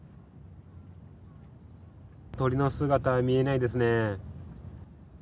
鳥の姿は見えないですね。